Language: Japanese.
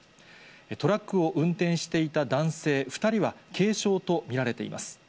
トラックを運転していた男性２人は軽傷と見られています。